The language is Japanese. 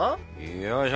よいしょ。